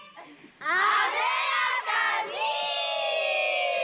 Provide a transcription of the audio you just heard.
艶やかに！